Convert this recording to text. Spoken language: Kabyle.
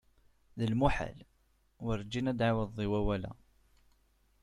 D lmuḥal, werǧin ad ɛiwḍed i wawal-a.